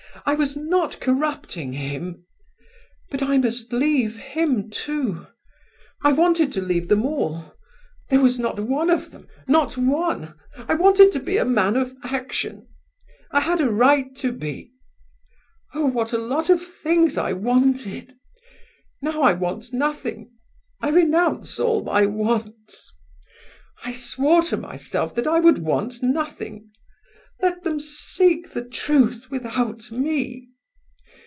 I was not corrupting him! But I must leave him, too—I wanted to leave them all—there was not one of them—not one! I wanted to be a man of action—I had a right to be. Oh! what a lot of things I wanted! Now I want nothing; I renounce all my wants; I swore to myself that I would want nothing; let them seek the truth without me!